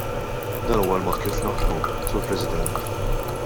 Dan huwa l-mod kif naħdmu, Sur President.